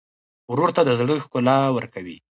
ورور ته د زړه ښکلا ورکوې.